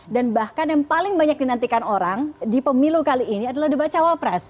dan bahkan yang paling banyak dinantikan orang di pemilu kali ini adalah debat cawa pres